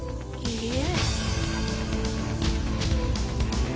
いいえ。